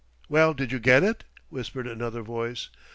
"Well, did you get it?" whispered another voice.